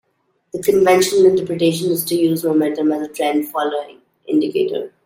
The conventional interpretation is to use momentum as a trend-following indicator.